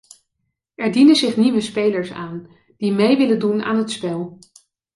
Er dienen zich nieuwe spelers aan, die mee willen doen aan het spel.